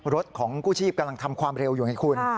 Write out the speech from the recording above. รถของกู้ชีพกำลังทำความเร็วอยู่ไงคุณ